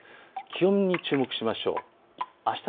気温に注目しましょう。